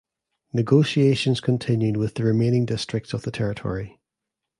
Negotiations continued with the remaining districts of the territory.